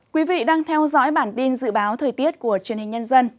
quý vị đang theo dõi bản tin dự báo thời tiết của truyền hình nhân dân